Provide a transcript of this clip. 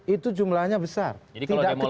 itu jumlahnya besar tidak kecil